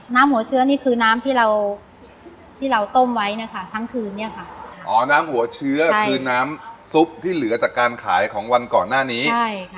หัวเชื้อนี่คือน้ำที่เราที่เราต้มไว้นะคะทั้งคืนเนี่ยค่ะอ๋อน้ำหัวเชื้อคือน้ำซุปที่เหลือจากการขายของวันก่อนหน้านี้ใช่ค่ะ